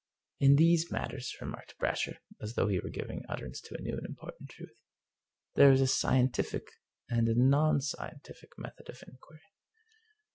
" In these matters," remarked Brasher, as though he were giving utterance to a new and important truth, " there is a scientific and nonscientific method of inquiry.